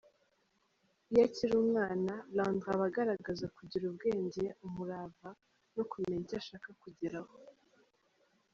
Iyo akiri umwana, Landry aba agaragaza kugira ubwenge, umurava no kumenya icyo ashaka kugeraho.